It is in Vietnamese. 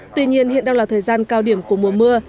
tuy nhiên hiện đang là thời gian cao điểm của mùa mưa